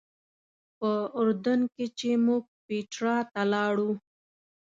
په اردن کې چې موږ پیټرا ته لاړو.